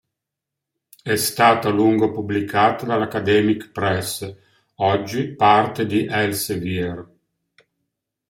È stata a lungo pubblicata dall'Academic Press, oggi parte di Elsevier.